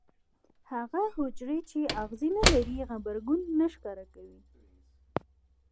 هغه حجرې چې آخذې نه لري غبرګون نه ښکاره کوي.